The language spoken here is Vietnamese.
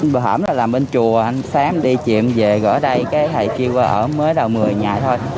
bữa hảm là làm bên chùa sáng đi chị em về gọi đây cái thầy kêu qua ở mới đầu mười nhà thôi